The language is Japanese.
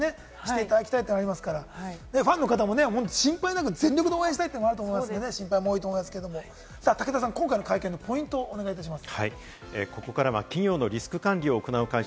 これからの子たちが夢を見て来て、楽しい場所にしていただきたいというのがありますから、ファンの方も心配なく全力で応援したいと思いますので、心配も多いと思いますけれども、武田さん、今回の会見のポイントをお願いいたします。